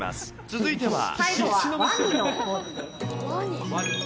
続いては。